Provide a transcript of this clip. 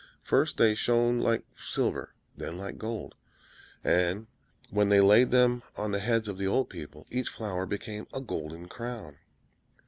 First, they shone like silver, then like gold; and when they laid them on the heads of the old people, each flower became a golden crown.